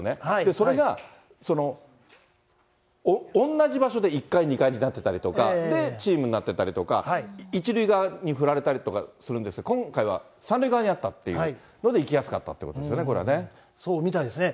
それがその同じ場所で１階２階になってたりとか、チームになってたりとか、１塁側に振られたりとかするんですが、今回は３塁側にあったっていうので行きやすかったっていうことでそうみたいですね。